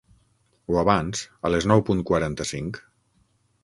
O abans, a les nou punt quaranta-cinc.